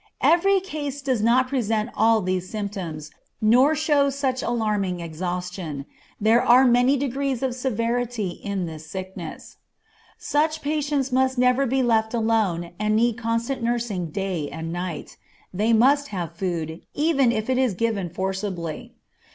Every case does not present all these symptoms, nor show such alarming exhaustion. There are many degrees of severity in this sickness. Such patients must never be left alone and need constant nursing day and night. They must have food, even if it is given forcibly.